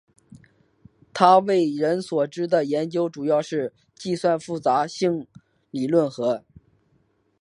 他为人所知的研究主要是计算复杂性理论和。